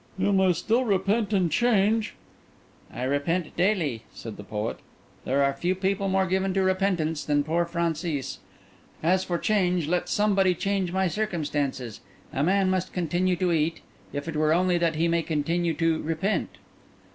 "You may still repent and change." "I repent daily," said the poet. "There are few people more given to repentance than poor Francis. As for change, let somebody change my circumstances. A man must continue to eat, if it were only that he may continue to repent."